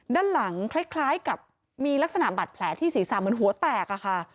ด้านหลังคล้ายกับมีลักษณะบาดแผลที่ศีรษะเหมือนหัวแตกอะค่ะ